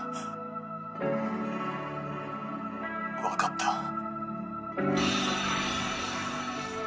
「わかった」。